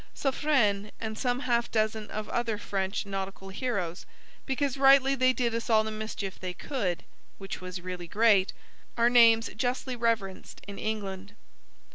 Suffrein, and some half dozen of other French nautical heroes, because rightly they did us all the mischief they could, [which was really great] are names justly reverenced in England.